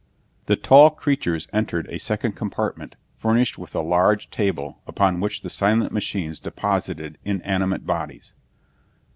The tall creatures entered a second compartment furnished with a large table upon which the silent machines deposited inanimate bodies.